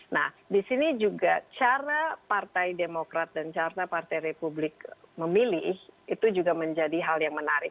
nah di sini juga cara partai demokrat dan cara partai republik memilih itu juga menjadi hal yang menarik